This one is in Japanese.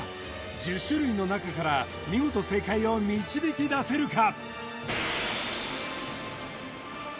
１０種類の中から見事正解を導き出せるか？